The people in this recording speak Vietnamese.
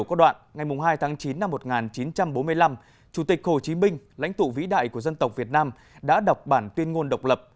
chủ tịch hồ chí minh lãnh tụ vĩ đại của dân tộc việt nam đã đọc bản tuyên ngôn độc lập